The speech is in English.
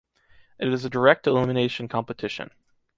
It is a direct elimination competition.